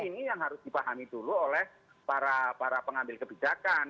jadi ini yang harus dipahami dulu oleh para pengambil kebijakan